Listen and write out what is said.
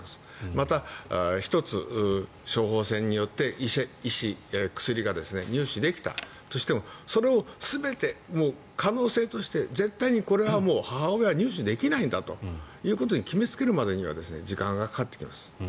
また、１つ、処方せんによって薬が入手できたとしてもそれが全て可能性として絶対にこれは、母親は入手できないんだということを決めつけるまでには時間がかかってきます。